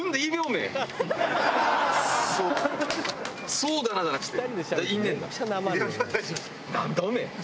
「そうだな」じゃなくて。